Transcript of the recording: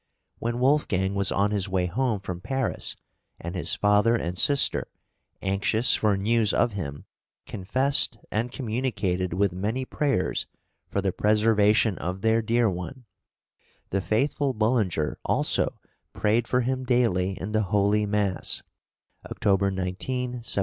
When Wolfgang was on his way home from Paris, and his father and sister, anxious for news of him, confessed and communicated with many prayers for the preservation of their dear one, "the faithful Bullinger" also "prayed for him daily in the holy mass" (October 19, 1778).